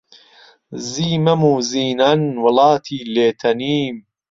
زیی مەم و زینان وڵاتی لێ تەنیم